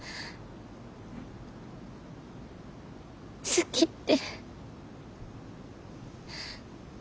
好きって。